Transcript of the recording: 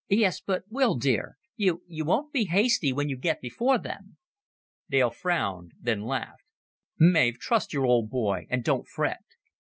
"Yes, but, Will dear you, you won't be hasty when you get before them." Dale frowned, then laughed. "Mav, trust your old boy, and don't fret."